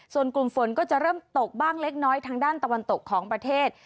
ส่วนกลุ่มฝนก็จะเริ่มตกบ้างเล็กน้อยทางด้านตะวันตกของประเทศ